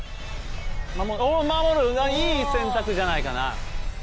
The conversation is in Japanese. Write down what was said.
まもるいい選択じゃないかな。